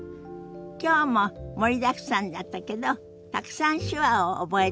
きょうも盛りだくさんだったけどたくさん手話を覚えたでしょ？